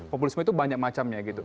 populisme itu banyak macamnya